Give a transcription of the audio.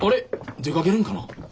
出かけるんかな？